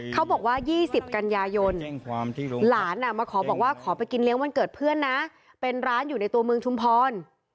เขาบอกว่า๒๐กันยายนหลานมาขอบอกว่าขอไปกินเลี้ยงวันเกิดเพื่อนนะเป็นร้านอยู่ในตัวเมืองชุมพร